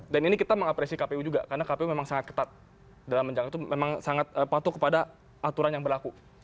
dan ini kita mengapresi kpu juga karena kpu memang sangat ketat dalam menjaga itu memang sangat patuh kepada aturan yang berlaku